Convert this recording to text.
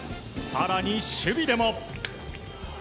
更に守備でも。